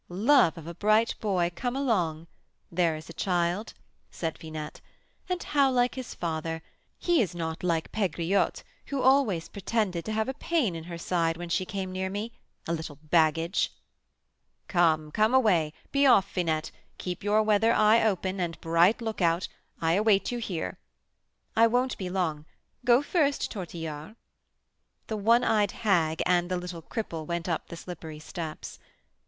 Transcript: "Love of a bright boy, come along! There is a child!" said Finette. "And how like his father! He is not like Pegriotte, who always pretended to have a pain in her side when she came near me, a little baggage!" "Come, come away! be off, Finette! Keep your weather eye open, and bright lookout. I await you here." "I won't be long. Go first, Tortillard." The one eyed hag and the little cripple went up the slippery steps.